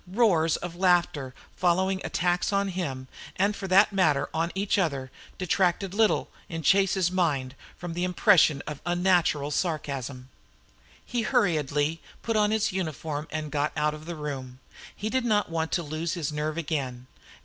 Roars of laughter following attacks on him, and for that matter on each other, detracted little, in Chase's mind, from the impression of unnatural sarcasm. He hurriedly put on his uniform and got out of the room. He did not want to lose his nerve again.